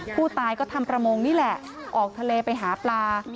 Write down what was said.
ผู้ตายก็ทำประมงนี่แหละออกทะเลไปหาปลา